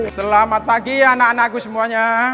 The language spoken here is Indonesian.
selamat pagi anak anakku semuanya